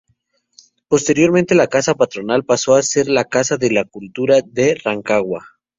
Posteriormente la casa patronal pasó a ser la Casa de la Cultura de Rancagua.